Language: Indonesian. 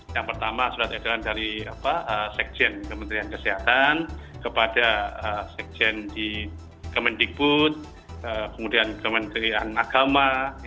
yang pertama surat edaran dari sekjen kementerian kesehatan kepada sekjen di kemendikbud kemudian kementerian agama